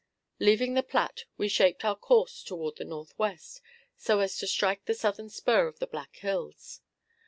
Leaving the Platte, we shaped our course toward the northwest, so as to strike the southern spur of the Black Hills.